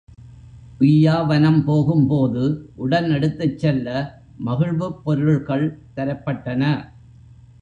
உய்யாவனம் போகும்போது உடன் எடுத்துச் செல்ல மகிழ்வுப்பொருள்கள் தரப்பட்டன.